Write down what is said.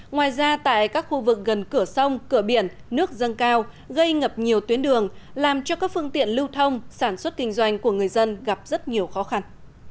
ngoài ra tại các khu vực gần cửa sông cửa biển nước dâng cao gây ngập nhiều tuyến đường làm cho các phương tiện lưu thông sản xuất kinh doanh của người dân gặp rất nhiều khó khăn